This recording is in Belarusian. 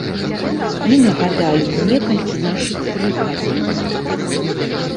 І нагадаю некалькі нашых прыказак.